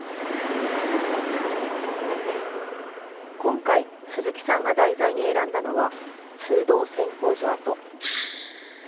今回、鈴木さんが題材に選んだのは、通洞選鉱所跡。